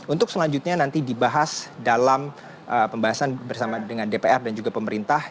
untuk selanjutnya nanti dibahas dalam pembahasan bersama dengan dpr dan juga pemerintah